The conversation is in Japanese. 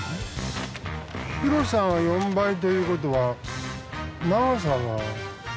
広さが４倍という事は長さは。